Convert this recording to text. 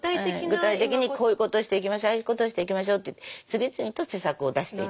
具体的にこういうことをしていきましょうああいうことをしていきましょうって次々と施策を出していったということなんです。